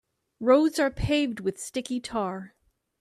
Roads are paved with sticky tar.